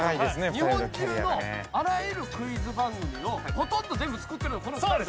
日本中のあらゆるクイズ番組をほとんど全部作ってるのはこの２人。